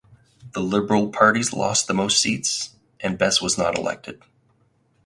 The liberal parties lost the most seats and Bes was not elected.